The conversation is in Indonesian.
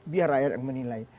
biar rakyat yang menilai